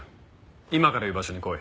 今から言う場所に来い。